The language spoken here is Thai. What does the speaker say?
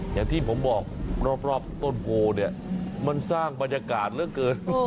อย่างที่ผมบอกรอบต้นโพเนี่ยมันสร้างบรรยากาศเหลือเกิน